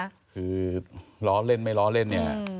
คือล้อเล่นไม่ล้อเล่นเนี่ย